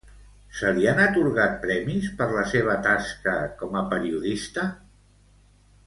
Se li han atorgat premis per la seva tasca com a periodista?